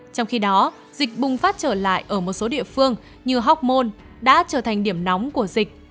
trong khi đó dịch bùng phát trở lại ở một số địa phương như hóc môn đã trở thành điểm nóng của dịch